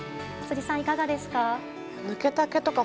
辻さん、いかがですか？